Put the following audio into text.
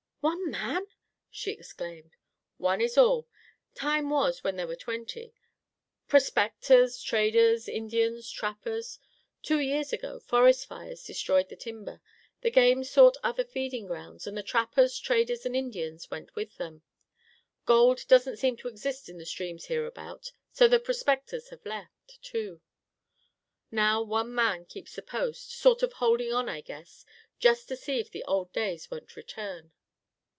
"One man!" she exclaimed. "One is all. Time was when there were twenty. Prospectors, traders, Indians, trappers. Two years ago forest fires destroyed the timber. The game sought other feeding grounds and the trappers, traders and Indians went with them. Gold doesn't seem to exist in the streams hereabouts, so the prospectors have left, too. Now one man keeps the post; sort of holding on, I guess, just to see if the old days won't return."